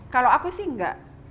kalau aku sih enggak